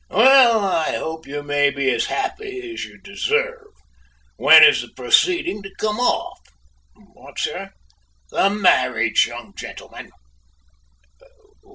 "Well, I hope you may be as happy as you deserve! When is the proceeding to come off?" "What, sir?" "The marriage, young gentleman?"